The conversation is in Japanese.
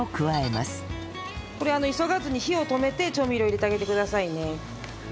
これ急がずに火を止めて調味料入れてあげてくださいね。